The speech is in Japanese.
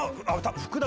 福田